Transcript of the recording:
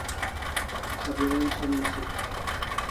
Akhabiran som nisik